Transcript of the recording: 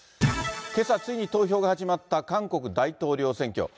けさ、ついに投票が始まった韓国大統領選挙。